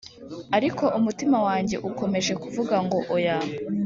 ariko umutima wanjye ukomeje kuvuga ngo oya.